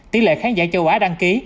tỷ lệ khán giả châu á đăng ký